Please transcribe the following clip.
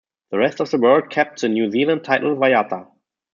The rest of the world kept the New Zealand title "Waiata".